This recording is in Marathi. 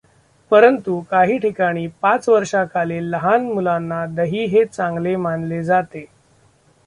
परंतू काही ठिकाणी पाच वर्षा खालील लहान मुलांना दही हे चांगले मानले जाते.